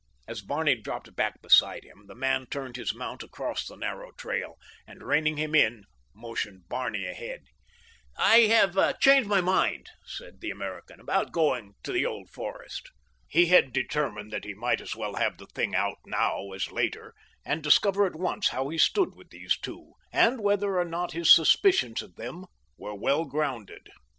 As Barney dropped back beside him the man turned his mount across the narrow trail, and reining him in motioned Barney ahead. "I have changed my mind," said the American, "about going to the Old Forest." He had determined that he might as well have the thing out now as later, and discover at once how he stood with these two, and whether or not his suspicions of them were well grounded.